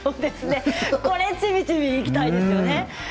これちびちびいきたいですよね。